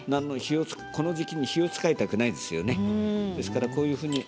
この時期に火は使いたくないですよね。